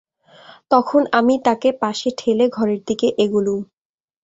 তখন আমি তাকে পাশে ঠেলে ঘরের দিকে এগোলুম।